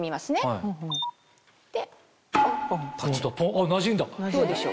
あっなじんだ！